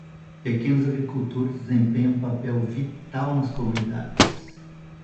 Pequenos agricultores desempenham um papel vital nas comunidades.